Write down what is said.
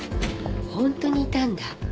本当にいたんだ。